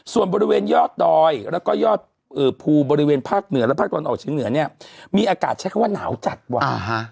ส่วนบริเวณยอดดอยแล้วก็ยอดภูบริเวณภาคเหนือและภาคตะวันออกเฉียงเหนือเนี่ยมีอากาศใช้คำว่าหนาวจัดว่ะ